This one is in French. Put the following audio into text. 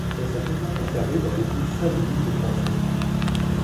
Elles sont toujours conservées dans l'église Saint-Louis-des-Français.